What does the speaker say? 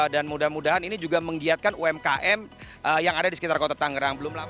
dan mudah mudahan ini juga menggiatkan umkm yang ada di sekitar kota tangerang